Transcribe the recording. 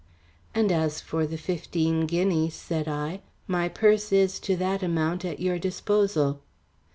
"And as for the fifteen guineas," said I, "my purse is to that amount at your disposal."